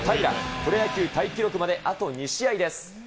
プロ野球タイ記録まであと２試合です。